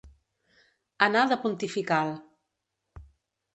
Anar de pontifical.